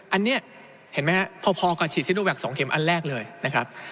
อันนี้เห็นไหมครับพอกับฉีดซิโนแวค๒เข็มอันแรกเลยนะครับ